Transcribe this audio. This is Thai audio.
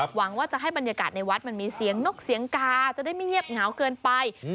หวังว่าจะให้บรรยากาศในวัดมันมีเสียงนกเสียงกาจะได้ไม่เงียบเหงาเกินไป